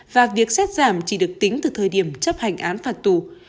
và việc xét giảm chỉ được tính từ thời điểm chấp hành án phạt tù